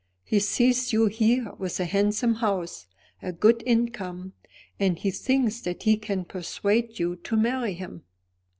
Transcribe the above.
He sees you here with a handsome house, a good income, and he thinks that he can persuade you to marry him."